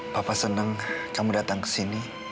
papa senang kamu datang ke sini